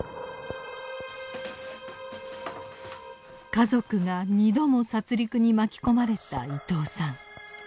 家族が２度も殺りくに巻き込まれた伊東さん。